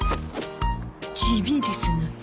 地味ですな。